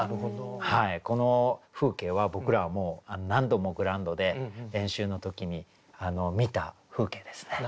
この風景は僕らはもう何度もグラウンドで練習の時に見た風景ですね。